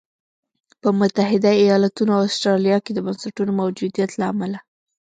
په متحده ایالتونو او اسټرالیا کې د بنسټونو موجودیت له امله.